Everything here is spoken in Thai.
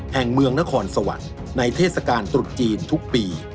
แห่งเมืองนครสวรรค์ในเทศกาลตรุษจีนทุกปี